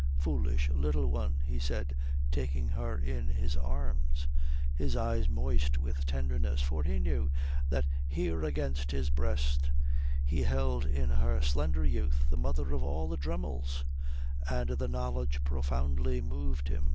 "Foolish Little One," he said, taking her in his arms, his eyes moist with tenderness, for he knew that here against his breast he held in her slender youth the mother of all the Dremmels, and the knowledge profoundly moved him.